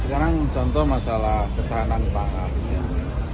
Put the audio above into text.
sekarang contoh masalah ketahanan pangan